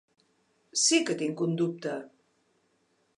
Sí que tinc un dubte.